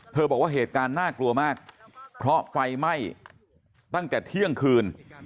บอกว่าเหตุการณ์น่ากลัวมากเพราะไฟไหม้ตั้งแต่เที่ยงคืน